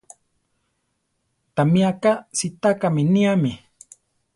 Tamí aka sitákame níame.